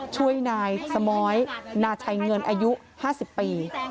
ช่วยนายสมอยนาชัยเงินอายุ๕๐ปี